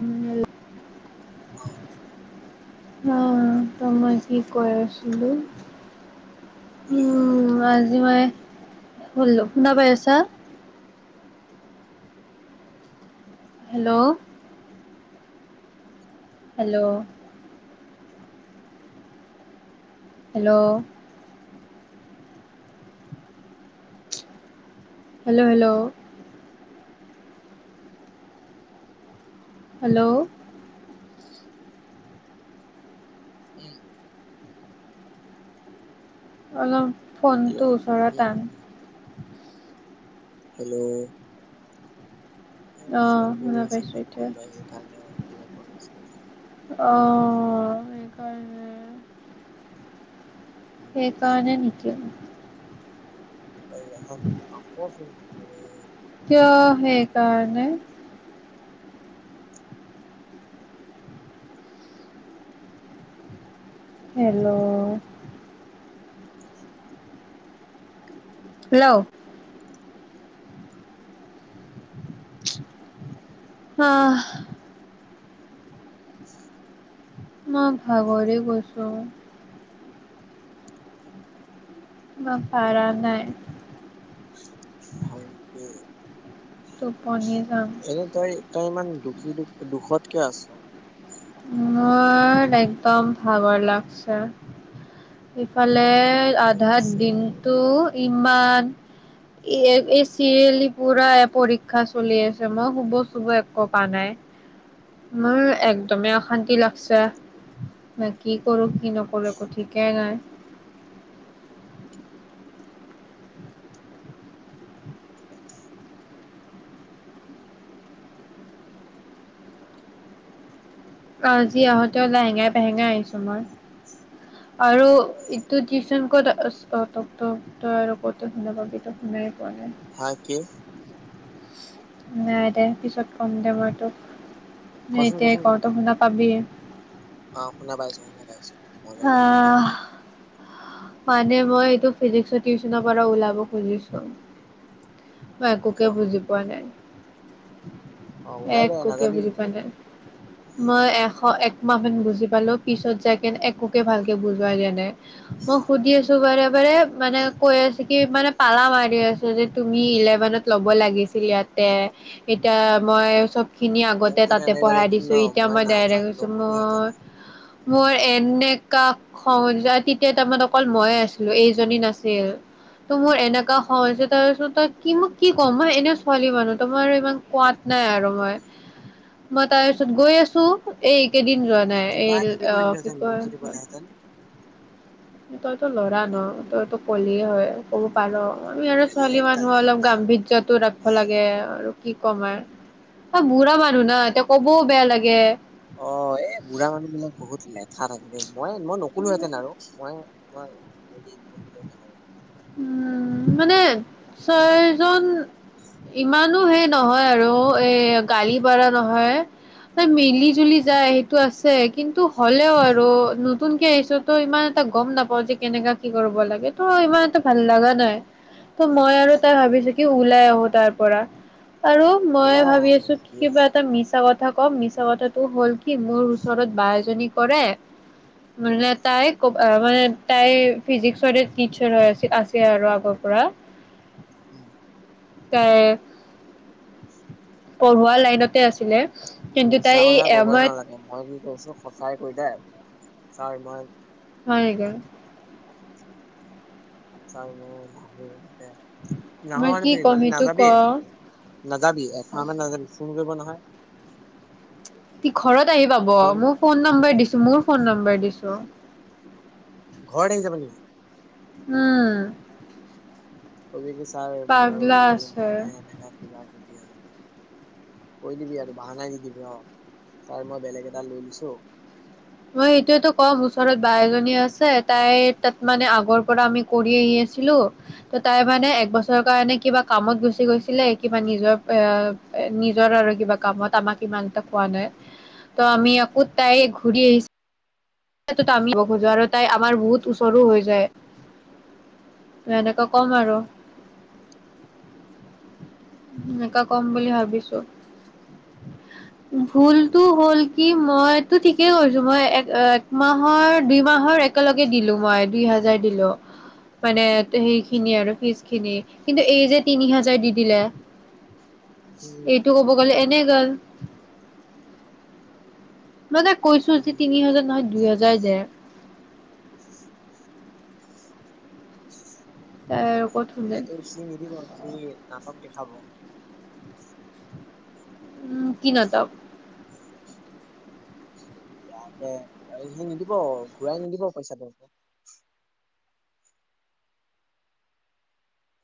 উম [unintelligible] অ', আঁহ ত মই কি কৈ আছিলো হেল্ল' উম আঁ আজি মই শুলো শুনা পাই আছা hello hello hello hello hello hello উম অলপ ফোনটো হেল্ল' উম, ওচৰত উম, আন উম, হেল্ল' এ অ', ফোন কৰি শুনা আছি পাইছো মোক এতিয়া। কোনবাই সেইকাৰণে শুনা পোৱা নাছিলো চা অঁ সেইকাৰণে উম, সেই কোৱাচোন। কাৰণে নেকি ঐ ৰখা দেই আক ফোন কৰি মানে কিয় সেই কাৰণে। উম উম উম হেল্ল' হেল্লও আহ উম [inaudible] মই ভাগৰি গৈছোঁ। উম [inaudible] [unintelligible] বা পাৰা নাই হয় দে টোপনী যাম। তই ইমান দুখী দু দুখত কিয় আছ। মোৰ একদম ভাগৰ লাগছোৰ। সফালে অ', ভাগৰ আধা লাগছে বাৰু। দিনটো। ইমান এই চিৰিয়েলি পুৰা পৰীক্ষা চলি আছে মই শুব চুব একো প নাই মোৰ একদমেই অশান্তি লাগছে বা কি কৰো। কি নকৰে কঠিক। বঙ আজি আহোতে লাহেঙাই পাহেঙাই আহিছো মই আৰু ইটোচ কত অ ক'ত শুন শুনাই পোৱা নাই। হয় কি। নাই দে পিছত কম দে মই তোক। ন কচোন এতিয়াই কচোন ক কৰ ত শুনাা পাবিয়ে। ভ মজীনা প [unintelligible] মানে মই এইটো ফিজিক্সৰ টিউচনৰ পৰা ওলাব খুজিছো। মই একোকে কিয় বুজি পোৱা নাই। অ', ওলাই এক দে ককে নাযাবি বুলিজ প নাই মই এশ এক। মাহেন বুজি পালো পিছত যাই কেন একোকে ভালকে বুজোৱা জানাই মই সুধি আছো বাৰে বাৰে মানে কৈ আছে কি মানে পালা মাৰি আছো যে। তুমি ইলেভেনত ল'ব লাগিছিল ইয়াতে এতিয়া মই চব। খিনি মোক আগতে যদি তাতে এনেকে ক'লে পঢ়াই হেতেন দিছো ন এতিয়া মই ডাই্ট নাজা হৈছো মই। নগ'লোহেঁতেনে মোৰ এনেকা খং তেতিয়া তাৰমানান অকল মইে আছিলো এইজনী নাছিল ত' মোৰ এনেকা খজ তাৰপিছতই কি মোক কি কওঁ মই এনেও ছোৱালী মানু তো মই আৰু ইমান কোৱাত। নাই আৰু মই। মই তাৰ পিছত গৈ আছো এই। কেইদিন যোৱা নাই কিবা এই কিবি কৰি কি দিলেহেঁতেন মোক কয়। যদি ক'লেহেঁতেন তইো ল'ৰা ন তইতো কলি হয়। ক'ব পাৰো আমি আৰু ছোৱালী বেলেগ গালি মানুহে দিম অলপ তাতে। গাম্ভীৰ্যতো ৰাখিব লাগে আৰু। কি কম আৰু অ, বুঢ়া মানুহ ন এতিয়া কবও বেয়া লাগে। অ এই বুঢ়া মানুহ বিলাক বহুত লেঠা থাকে দেই, মই মই নকলোঁ হেঁতেন আৰু মই। মই হেৰি নথাকো আৰু। উম মানে ছয় জন ইমানো হেৰি নহয়। আৰু এ গাড়ী ভাড়া নহয়, মিলি জুলি যায় সেইটো আছে। দেই কিন্তু হ'লেও আৰু। নতুনকে আহিছো ত ইমান এটা গম নাপাওঁ। যে কেনেকা কি কৰিব লাগে ত' ইমান এটা। ভাল লগা নাই ত' মই আৰু তাই ভাবিছো কি ওলাই আহো তাৰ পৰা। আৰু মই ওলাই ভাবি আহা আৰু আছো কি কিবা আছে এটা মিছা কথা। থাকক মিছা মাতে তো হ'ল কি। কি মোৰ ওচৰত বাই এজনী। কৰে মানে। তাইক কবা মা অ'। মানে তাইক। ফিজিক্সৰ টিচাৰছ হয়। আছে আৰু আগৰ পৰা। ওম। তাই পঢ়োৱা লাইনতে আছিলে। কিন্তু মিছা তাই কথা এই কবই মই নালাগে। মই কি কৈছো সঁচাই কৈ দে। চাই মই। হয় গৈ। চাওঁ অলপ ঘোৰ দেহ। মই নহয় কি নেকি ক'ম মানে সেইটো ক নাযাবি নাযাবি এপাক মান নাযাবি ফোন কৰিব নহয়। উম্ হূহ। [unintelligible] তীক্ষ্। ঘৰত আহি পাব। মোক ফোন নম্বৰ দিছে। মোৰ ফোন নম্বৰ দিছো। ঘৰত আহি যাবা নেকি। উম্। তাকে কৈছে। তাৰ মোৰ আৰু লবলে মন আছে নাই এনেকা কিবা কিবি আৰু। কৈ দিবি আৰু বাহনা দিদিবি। অঁ তাই মই বেলেগ এডাল লৈ লছো। মই এইটোৱেত কম ওচৰত বাই এজনী আছে। তাই তাত মানে আগৰ পৰা আমি কৰি আহি আছিলো। ত তাই মানে একবছৰ কাৰণে কিবা কামত গুচি গৈছিলে। এই কিবা নিজৰ এ নিজৰ আৰু কিবা কামত আমাক ইমান এটা কোৱা নাই। ত আমি আকৌ তাইক। ফুৰি আহিছে। সেইটোৱে ত আমি আহিব খোজো আৰু তাই আমাৰ বহুত ওচৰ ৰ হৈ যায় এনেকা। কম আৰু। অ'। এনেকা কম বুলি ভাবিছো। ভুলটো উম হ'ল কি। কি মই তো ঠিকেই কৰিছো মই একেটা। মাহৰ দুই মাহৰ একেলগে দিলো। মই দুই হাজাৰ দিলো। মানে সেইখিনি আৰু ফিছ খিনি, কিন্তু এই যে তিনি হাজাৰ দি দিলে। এইটো ক'ব গ'লে এনে গল। উম [unintelligible] মানে কৈছো যে উম তিনি হাজাৰ নহয় দুই হাজাৰ দেৰ এ এতিয়াতো সি নিদিব সেই নাটক দেখাব উম কি নাটক তাকে সি নিদিব ঘূৰাই নিদিব পইচাটো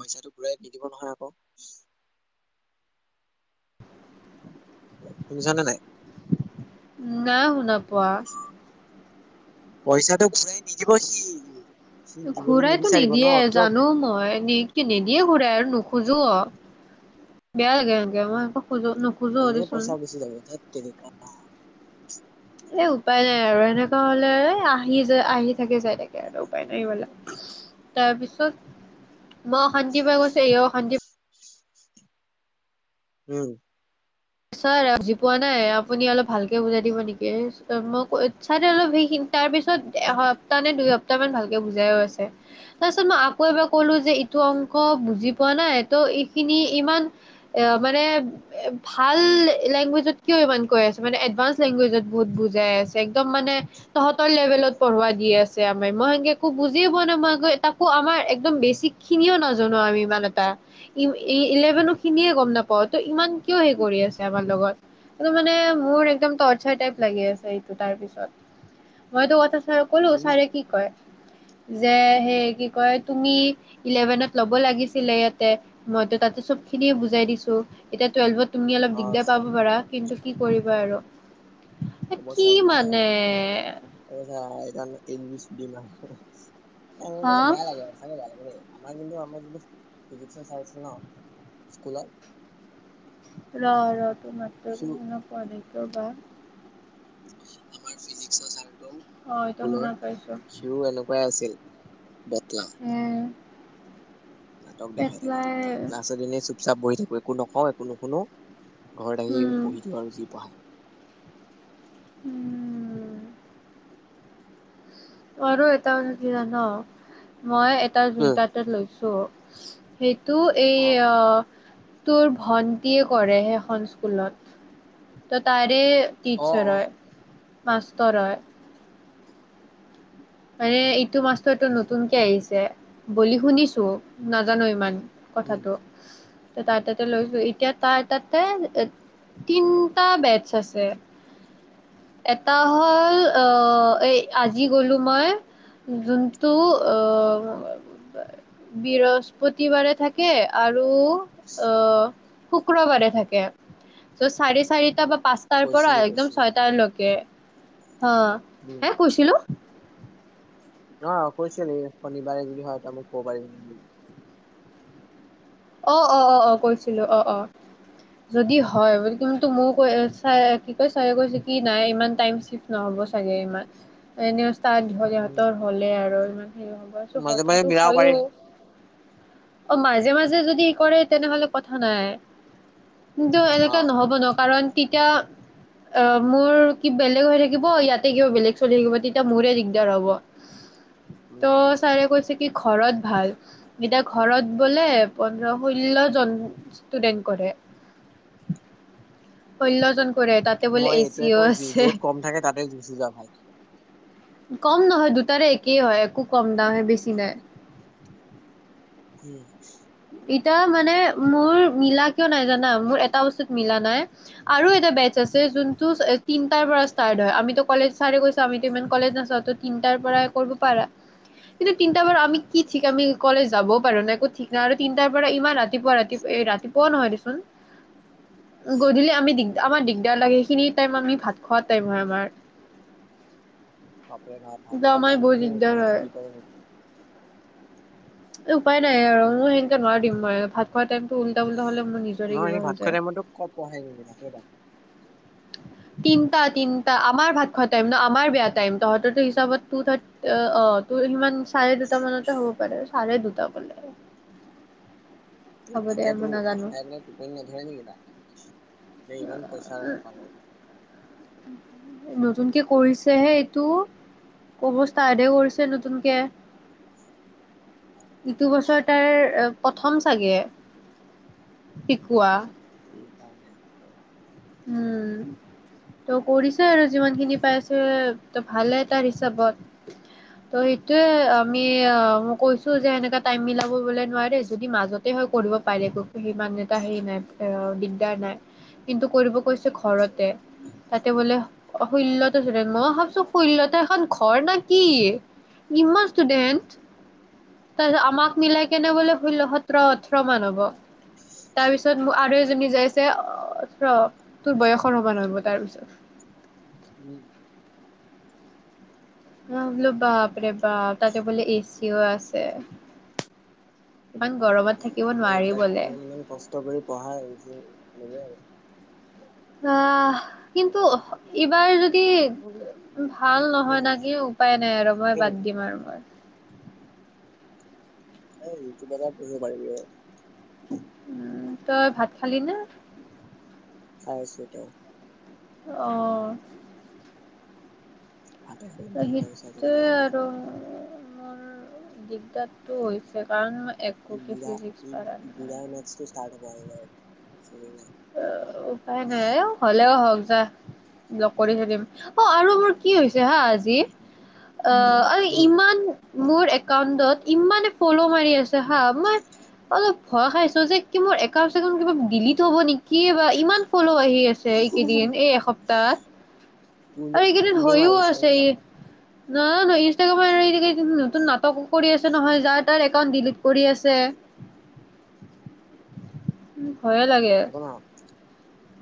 পইচাটো ঘুৰাই নিদিব নহয় আকৌ। শুনিছানে নাই? না শুনা পোৱা। পইচাটো ঘূৰাই নিদিব সি। সি দিবলৈ ঘুৰাইতো নিবিচাৰিব ন নিদিয়ে কিয় জানোঁ মই কি নিদিয়ে ঘূৰাই আৰু নুখো- খুজো অ বেয়া লাগে সেনেকে মই আকৌ। এনেই পইচা গুচি যাব তাত তেনে। অ এ উপায় নাই আৰু এনেকুৱা হ'লে আহি আহি থাকে যাই থাকে। আৰু উপায় নাই বলে তাৰ পিছত মই অশান্তি পাই গৈছোঁ এয়ও অশান্তি প- উম ছাৰ বুজি পোৱা নাই আপুনি অলপ ভালকে বুজাই দিব নেকি মই ক ছাৰে অলপ সেইখিন তাৰ পিছত এসপ্তাহ নে দুই সপ্তাহ- টা মান ভালকে বুজাইয়ো আছে তাৰপিছত মই আকৌ এবাৰ কলোঁ যে এইটো অংক বুজি পোৱা নাই ত' এইখিনি ইমান এ মানে- ভাল লেংগুৱেজত কিয় ইমান কৈ আছে। মানে এডভানস লেংগুৱেজত বহুত বুজাই আছে। একদম মানে তহঁতৰ লেভেলত পঢ়োৱা দি আছে। আমাৰ মই সেনকে একো বুজিয়ে পোৱা নাই। মই তাকো আমাৰ একদম বেচিক খিনিও নাজানোঁ। আমি ইমান এটা ই ইলেভেনো খিনিয়ে গম নাপাওঁ ত ইমান কিয়। কৰি আছে আমাৰ লগত মই মানে মোৰ একদম টৰ্চাৰ লাগি আছে এইটো তাৰ পিছত মইতো কথা। ছাৰক ক'লো বুজিলা? ছাৰে কি কৰে? যে সেই কি কয় তুমি ইলেভেনত ল'ব লাগিছিলে। ইয়াতে মইতো তাতে চব খিনিয় বুজাই দিছোঁ এতিয়া টুৱেলভত। তুমি অলপ অ দিগদাৰ ছাৰ পাব পাৰা কিন্তু- কি কৰিব আৰু। হ'ব কি ছাৰ বাই মানে আৰু ছাৰ ইংলিছ দিমাৰ এনকে হা কলে বেয়া লাগে সঁচাকে বেয়া লাগেই দেই। আমাৰ কিন্তু আমাৰ যিটো ফিজিক চাইছিল ন স্কুলত। ৰ ৰ সি [unintelligible] ৰবা। আমাৰ ফিজিক্সৰ ছাৰ অ এতিয়া শুনা ফুলৰ পাইছো সিও এনেকুৱাই আছিল। বতলা এ নাটক দেখাই থাকোঁ পেটলাই ত ক্লাছৰ গলেই চুপ চাপ বহি থাকোঁ। একো নকওঁ একো নুশুনো। ঘৰত আহি উম পঢ়ি থকাই বেছি পঢ়াই। উম [unintelligible] মই এটা উম জুনটাতো লৈছোঁ। [inaudible] ত এই অ তোৰ ভন্টিয়ে কৰে সেইখন স্কুলত ত তাৰে। টি অ অ চালৰ। মাস্তৰ হয়। মানে এইটো মাষ্টৰটো নতুনকে আহিছে, বুলি শুনিছো নাজানো ইমান উম কথাটো। তাৰ তাতে লৈছো এতিয়া তাৰ তাতে, তিনটা বেডছ আছে, এটা হ'ল অ এই আজি গলো মই, যোনটো অ বৃহস্পতি বাৰে থাকে আৰু আৰু অ, উম শু কোনে কোনে থাকে, চাৰে চাৰিটা পাঁচটাৰ পৰা কৈছিলি একদম কৈছিলি ছয়টালৈকে। অ, উম হে কৈছিলো! অ কৈছিলি, শনিবাৰে যদি হয়তো মই কব পাৰিম নেকি। অ অ অ অ কৈছিলো অ অ, যদি হয় বুলি কিন্তু মোৰ কৈ কি কয় চা তাত উম সিহঁতৰ হ'লে আৰু সেইবছোঁ [inaudible] মাজে মাজে হঠটো মিলাব হয়ো পাৰিম অ মাজে মাজে যদি কৰে তেনেহলে কথা নাই। কিন্তু অ এনেকে নহ'ব ন কাৰণ তেতিয়া, অ মোৰ কি বেলেগ হৈ থাকিব ইয়াতে কিবা বেলেগ চলি থাকিব তেতিয়া মোৰে দিগদাৰ হ'ব। উম ত উম চাৰে কৈচে কি ঘৰত ভাল, এতিয়া ঘৰত বোলে পোন্ধৰ ষোল্ল জন ষ্টুডেন্ট কৰে, ষোল্ল জন মই এইটোৱে কওঁ য'ত কম থাকে তাতে গুচি যোৱা ভাল। কম নহয় দুটাৰে একেই হয়, একো কম দামে বেছি নাই। উম [inaudible] ইতিয়া মানে মোৰ মিলা কিয় নাই জানা মোৰ এটা বস্তুত মিলা নাই আৰু বেচ আছে উম যোনটো তিনটাৰ পৰা ষ্টাৰ্ট হয়, আমিতো কলেজ ছাৰে কৈছো আমিতো ইমান কলেজ নাজাওঁ, ত তিনটাৰ পৰাই কৰিব পাৰা কিন্তু তিনিটাৰ পৰা আমি কি ঠিক আমি কলেজ যাবও পাৰো ন একো ঠিক আৰু তিনটাৰ পৰা ইমান ৰাতিপুৱা ৰাতিপুৱা, ৰাতিপুৱা নহয় দেচোন, গধূলি আমি দিগ আমাৰ দিগদাৰ লাগে সেইখিনি টাইম আমি ভাত খোৱা টাইম হয় আমাৰ। বাপ ভাত ভাত কিন্তু খোৱা আমাৰ বহুত টাইমতো দিগদাৰ ইমান হেৰি কৰে নেকি? এই উপায় নাই আৰু। মই সেনেকে নোৱাৰ দিম ম ভাত খোৱা টাইম ন সেই ভাত খোৱা টাইমতো কত পাই নেকি ভাত। তিনটা তিনটা আমাৰ ভাত খোৱা টাইম ন', আমাৰ বেয়া টাইম, তহতৰ হিচাপত টো থাৰ অ তোৰ ইমান চাৰে দুটামানতে হব। পাৰে চাৰে দুটা বলে। এই তেতিয়াতো ভাত খাই পেলাই টোপনি নধৰে নেকি তা ইমান পইচা পাল নতুনকে কৰিছেহে এইটো, কব ষ্টাৰ্ডে কৰিছে নতুনকে, ইটো বছৰ তাৰ প্ৰথম চাগে, শিকোৱা। ক [inaudible] উম ত কৰিছে আৰু যিমানখিনি পাইছে ত ভালে তাৰ হিচাপত ত সেইটোয়ে আমি মই কৈছো যে এনেকা টাইম মিলাব বোলে নোৱাৰে যদি মাজতে হয় কৰিব পাৰে সিমান এটা হে নাই দিগদাৰ নাই কিন্তু কৰব কৈছোঁ ঘৰতে তাতে বোলে ষোল্ল [unintelligible] মই ভাবছো ষোল্লটা এখন ঘৰ না কি ইমান ষ্টুডেন্ট [inaudible] তাৰপিছত আমাক মিলাই কেনে বোলে ষোল্ল সোতৰ ওঠৰ মান হ'ব তাৰপিছত আৰু এজনী যে আছে ৰ তোৰ বয়সৰ সমান হব তাৰপিছত। উম, অহ বলো বাপৰে বাপ তাতে বোলে এচিও আছে। ইমান গৰমত বাপৰ থাকিব এই নোৱাৰি এইবিলাক বোলে। ইমান- ইমান কষ্ট কৰি পঢ়াই [unintelligible] আহ কিন্তু ইবাৰ যদি ভাল নহয় না কি উপায় নাই আৰু মই বাদ দিম আৰু মই। এই ইউটিউবাৰত পঢ়িব পাৰিবি অহ। উম তই ভাত খালি না? খাই আছো এতিয়াই। অহ, হাতে খৰে তই মন কৰিছে আজিকালি যিটোৱে জীৱনত আৰু। মোৰ দিগদাৰটো হৈছে কাৰণ মই। এই একোকে বুঢ়া ফিজিক্স - এই পাৰা নাই। বুঢ়াৰ মেচটো ষ্টাৰ্ট হোৱা। [unintelligible] অহ, উপায় নাই অহ হলেও হওক যা ব্লক কৰি থই দিম। অহ আৰু মোৰ কি হৈছে হা আজি অহ, আৰু ইমান মোৰ একাউন্টত ইমানে ফলো মাৰি আছে হা মই অলপ ভয় খাইছো যে কি মোৰ একাউণ্ট সেকাউন্ত কিবা ডিলিট হব নেকি? কি বা ইমান ফলো। আহি আছে এইকেইদিন উম এই এসপ্তাত কোনে আৰু এইকেইদিন কোনে হৈও মাৰিছে আছে ই এইবিলাক নহয় -নহয় [unintelligible] ইনষ্টাগ্ৰাম নতুন নাটকো কৰি আছে নহয় যাৰ তাৰ একাউন্ট ডিলিট কৰি আছে। উম, ভয়ে লাগে। একো নহয়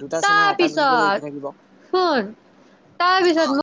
দুটা আছে না এটা গুছি গলে তাৰপিছত এইটো থাকিব। তাই অ পিছত মোক।